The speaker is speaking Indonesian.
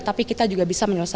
tapi kita juga bisa menyelesaikan